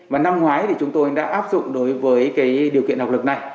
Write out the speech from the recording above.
và năm ngoái thì chúng tôi đã áp dụng đối với điều kiện học lực này